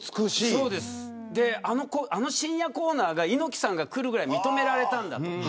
そうです、あの深夜コーナーが猪木さんが来るぐらい認められたんだ。